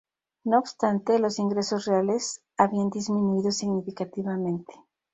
No obstante, los ingresos reales habían disminuido significativamente.